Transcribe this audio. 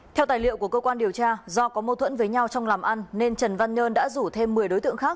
theo tài liệu của cơ quan điều tra do có mâu thuẫn với nhau trong làm ăn nên trần văn nhơn đã rủ thêm một mươi đối tượng khác